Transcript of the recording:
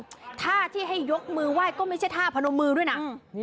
ท่าที่ให้ยกมือไหว้ก็ไม่ใช่ท่าพนมมือด้วยนะ